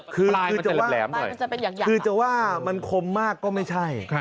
ปลายมันจะแหลมแหลมหน่อยคือจะว่ามันคมมากก็ไม่ใช่